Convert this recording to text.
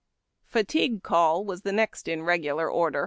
Fatigue call was the next in regular order.